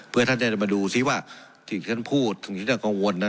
เพื่อท่านได้มาดูซิว่าสิ่งที่ท่านพูดถึงที่ท่านกังวลนั้น